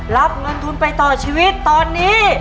รับเงินทุนไปต่อชีวิตตอนนี้